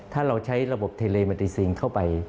ถ้าเราใช้ระบบเทเลมาติซิงเข้าไป